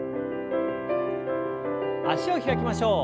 脚を開きましょう。